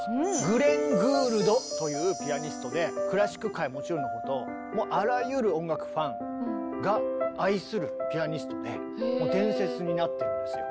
グレン・グールドというピアニストでクラシック界はもちろんのこともうあらゆる音楽ファンが愛するピアニストでもう伝説になってるんですよ。